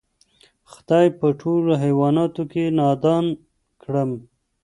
خدای په ټولوحیوانانو کی نادان کړم